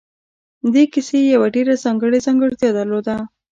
دې کیسې یوه ډېره ځانګړې ځانګړتیا درلوده